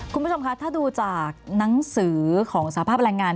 คุณผู้ชมคะถ้าดูจากหนังสือของสภาพแรงงาน